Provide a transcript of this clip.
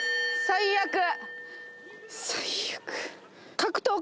最悪。